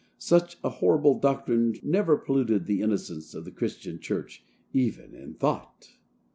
Such a horrible doctrine never polluted the innocence of the Christian church even in thought.